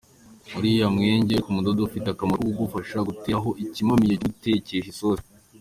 Uriya mwenge uri ku mukodo ufite akamaro ko kugufasha guterekaho ikimamiyo cyo gutekesha isosi.